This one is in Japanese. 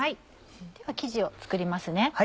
では生地を作りますね。